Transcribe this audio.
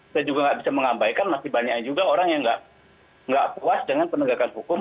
saya juga nggak bisa mengabaikan masih banyak juga orang yang nggak puas dengan penegakan hukum